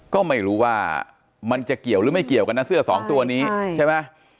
ก็ไม่รู้ว่ามันจะเกี่ยวหรือไม่เกี่ยวกันนะเสื้อสองตัวนี้ใช่ไหม